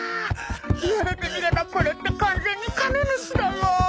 言われてみればこれって完全にカメムシだわ。